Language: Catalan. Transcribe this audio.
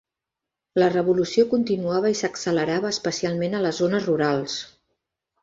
La revolució continuava i s'accelerava, especialment a les zones rurals.